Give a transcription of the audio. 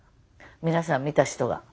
皆さん見た人が。